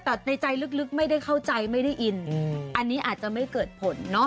แต่ในใจลึกไม่ได้เข้าใจไม่ได้อินอันนี้อาจจะไม่เกิดผลเนาะ